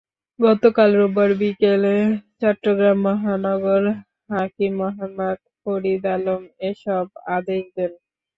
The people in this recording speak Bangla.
গতকাল রোববার বিকেলে চট্টগ্রাম মহানগর হাকিম মোহাম্মদ ফরিদ আলম এসব আদেশ দেন।